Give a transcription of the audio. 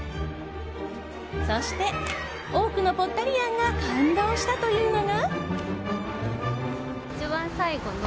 そして、多くのポッタリアンが感動したというのが。